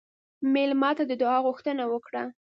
مېلمه ته د دعا غوښتنه وکړه.